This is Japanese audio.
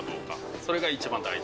それが一番大事。